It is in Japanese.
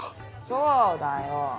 そうだよ。